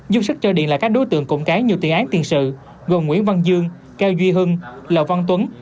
dung sức cho điền là các đối tượng cộng cái nhiều tự án tiền sự gồm nguyễn văn dương cao duy hưng lầu văn tuấn